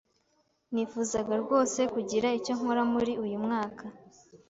Nifuzaga rwose kugira icyo nkora muri uyu mwaka